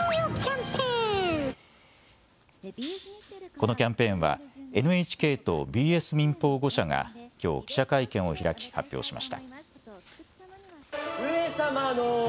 このキャンペーンはＮＨＫとＢＳ民放５社がきょう記者会見を開き発表しました。